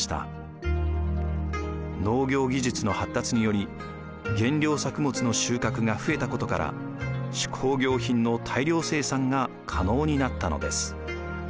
農業技術の発達により原料作物の収穫が増えたことから手工業品の大量生産が可能になったのです。